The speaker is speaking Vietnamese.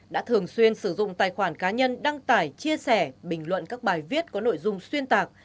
đã thường xuyên sử dụng tài khoản cá nhân đăng tải chia sẻ bình luận các bài viết có nội dung xuyên tạc